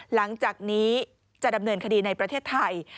หลังจากนี้จะดำเนินคดีในประเทศไทย